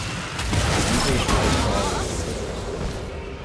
The eagle's right claw was raised.